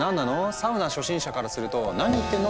サウナ初心者からすると「何言ってんの？」